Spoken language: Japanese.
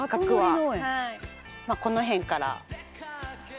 まあこの辺から。